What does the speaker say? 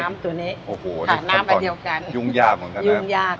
โอ้โหถ้าอย่างงั้นมาดูเส้นกันบ้างยุ่งยากเหมือนกันน่ะยุ่งยาก